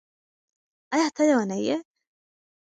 ایا ته لیونی یې؟